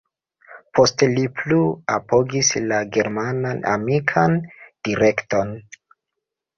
Poste li plu apogis la german-amikan direkton.